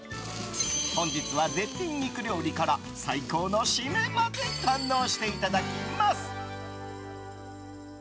本日は絶品肉料理から最高の締めまで堪能していただきます。